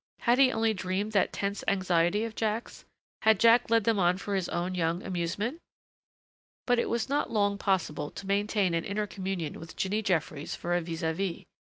Had he only dreamed that tense anxiety of Jack's had Jack led them on for his own young amusement? But it was not long possible to maintain an inner communion with Jinny Jeffries for a vis à vis.